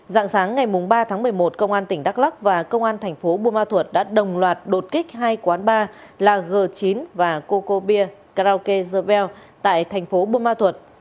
dạng sáng ngày ba tháng một mươi một công an tỉnh đắk lắk và công an thành phố bùa ma thuật đã đồng loạt đột kích hai quán bar là g chín và coco beer karaoke the bell tại thành phố bùa ma thuật